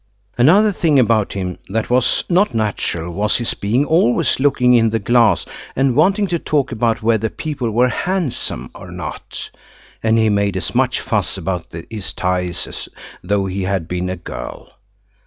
Another thing about him that was not natural was his being always looking in the glass and wanting to talk about whether people were handsome or not; and he made as much fuss about his ties as though he had been a girl.